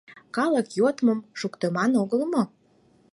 — Калык йодмым шуктыман огыл мо?